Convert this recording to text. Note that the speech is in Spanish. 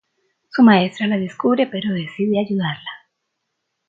Su maestra la descubre pero decide ayudarla.